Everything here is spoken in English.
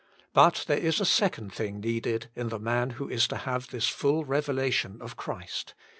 But there is a second thing needed in the man who is to have this full revelation of Christ.